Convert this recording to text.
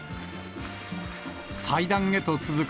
祭壇へと続く